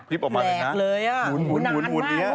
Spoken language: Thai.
พัดแปลกเลยอะหนานมากด้วย